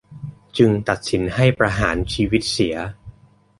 จึงตัดสินให้ประหารชีวิตเสีย